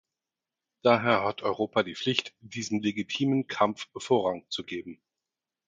Daher hat Europa die Pflicht, diesem legitimen Kampf Vorrang zu geben.